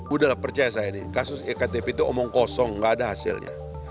udah lah percaya saya nih kasus ktp itu omong kosong gak ada hasilnya